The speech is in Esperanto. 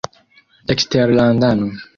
eksterlandano